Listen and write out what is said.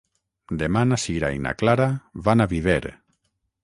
Demà na Sira i na Clara van a Viver.